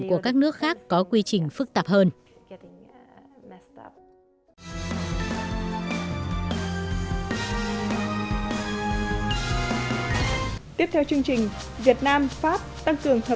của các nước khác có quy trình phức tạp hơn